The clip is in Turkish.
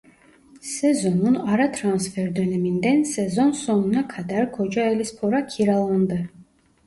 Sezonun ara transfer döneminden sezon sonuna kadar Kocaelispor'a kiralandı.